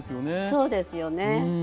そうですよね。